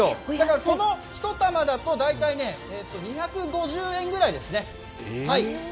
この１玉だと２５０円ぐらいですね。